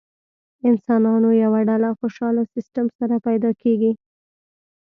انسانانو یوه ډله خوشاله سیستم سره پیدا کېږي.